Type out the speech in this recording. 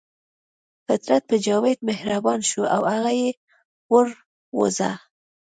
فطرت په جاوید مهربان شو او هغه یې وروزه